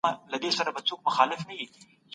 ورور مي وویل چي زه به مرسته وکړم.